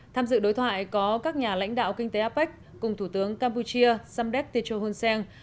tham dự đối thoại có các nhà lãnh đạo kinh tế apec cùng thủ tướng campuchia samdet techo hunseng